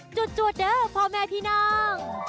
จวดเด้อพ่อแม่พี่น้อง